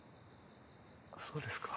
そうですか。